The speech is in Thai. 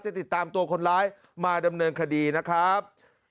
ติดตามตัวคนร้ายมาดำเนินคดีนะครับ